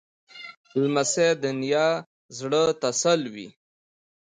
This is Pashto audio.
لمسی د نیا زړه تسلوي.